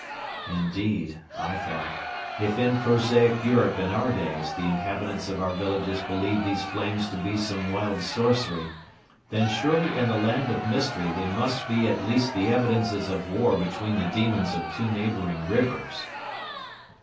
"Indeed," I thought, "if in prosaic Europe in our days the inhabitants of our villages believe these flames to be some wild sorcery, then surely in the land of mystery they must be at least the evidences of war between the demons of two neighboring rivers!"